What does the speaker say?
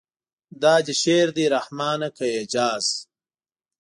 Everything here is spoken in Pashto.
دا دې شعر دی رحمانه که اعجاز.